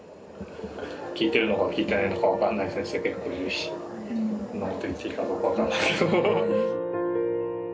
聞いてるのか聞いてないのか分かんない先生結構いるしこんなこと言っていいかどうか分からないけど。